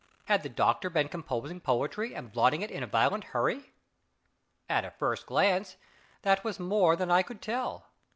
Had the doctor been composing poetry and blotting it in a violent hurry? At a first glance, that was more than I could tell.